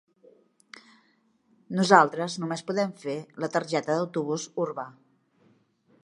Nosaltres només podem fer la targeta d'autobús urbà.